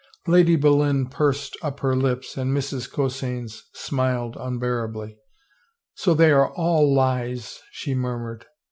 Lady Boleyn pursed up her lips and Mrs. Coseyns smiled unbearably. " So they are all lies," she murmured.